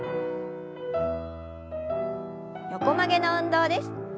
横曲げの運動です。